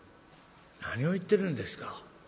何を言ってるんですか。